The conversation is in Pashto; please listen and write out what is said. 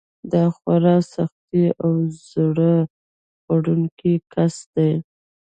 دا خورا سختې او زړه خوړونکې کیسې دي.